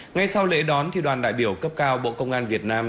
ngay sau lễ đón thì đoàn đại biểu cấp cao bộ công an việt nam